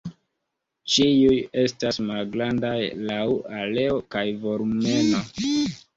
Ĉiuj estas malgrandaj laŭ areo kaj volumeno.